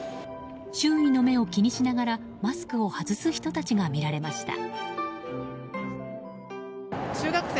周囲の目を気にしながらマスクを外す人たちが見られました。